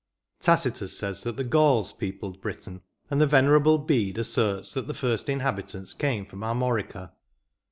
Tacitus says that the Gauls peopled Britain ; and the venerable Bede asserts that the first inhabitants came from Amorica.